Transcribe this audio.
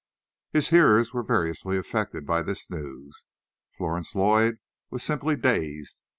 His hearers were variously affected by this news. Florence Lloyd was simply dazed.